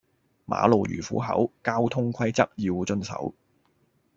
馬路如虎口，交通規則要遵守